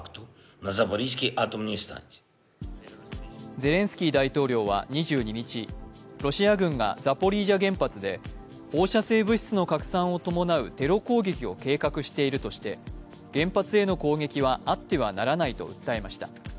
ゼレンスキー大統領は２２日、ロシア軍がザポリージャ原発で放射性物質の拡散を伴うテロ攻撃を計画しているとして、原発への攻撃はあってはならないと訴えました。